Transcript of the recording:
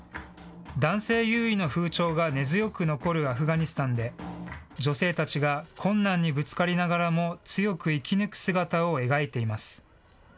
男性優位の風潮が根強く残るアフガニスタンで、女性たちが困難にぶつかりながらも強く生き抜く姿を描いています。